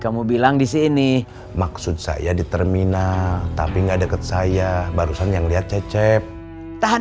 kamu bilang disini maksud saya di terminal tapi nggak deket saya barusan yang lihat cecep tahan